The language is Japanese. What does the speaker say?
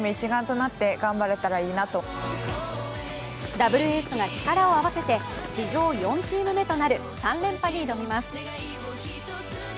ダブルエースが力を合わせて史上４チーム目となる３連覇に挑みます。